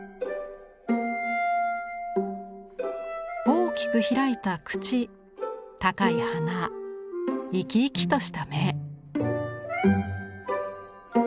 大きく開いた口高い鼻生き生きとした目。